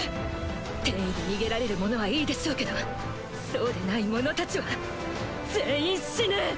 転移で逃げられる者はいいでしょうけどそうでない者たちは全員死ぬ！